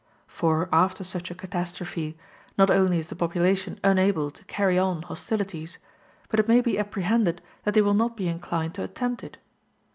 For after such a catastrophe, not only is the population unable to carry on hostilities, but it may be apprehended that they will not be inclined to attempt it.